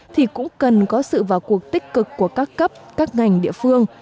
thì cũng cần có sự vào cuộc tích cực của các cấp các ngành địa phương